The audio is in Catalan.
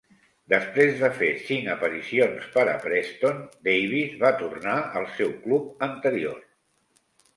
Després de fer cinc aparicions per a Preston, Davies va tornar al seu club anterior.